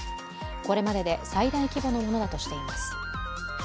これまでで最大規模のものだとしています。